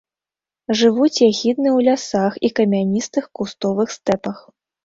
Жывуць яхідны ў лясах і камяністых кустовых стэпах.